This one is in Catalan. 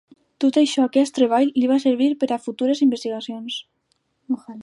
Tot i això aquest treball li va servir per a futures investigacions.